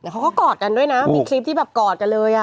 เขาก็กอดกันด้วยนะมีคลิปที่แบบกอดกันเลย